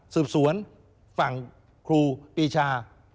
สืบสวนฝั่งครูปีชา